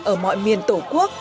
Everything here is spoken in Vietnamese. ở mọi miền tổ quốc